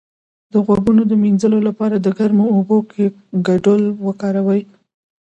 د غوږونو د مینځلو لپاره د ګرمو اوبو ګډول وکاروئ